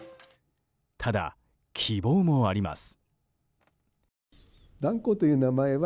ただ、希望もあります。